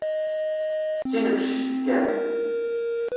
D tinefcect kan.